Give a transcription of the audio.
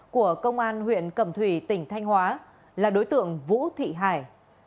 của công an huyện cầm thủy tỉnh thanh hóa là đối tượng vũ thị hải